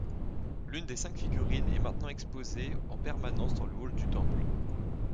L’une des cinq figurines est maintenant exposée en permanence dans le hall du temple.